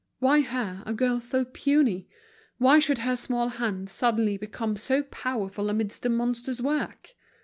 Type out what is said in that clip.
Why her, a girl so puny? Why should her small hand suddenly become so powerful amidst the monster's work?